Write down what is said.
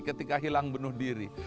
ketika hilang benuh diri